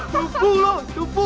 dumpu loh dumpu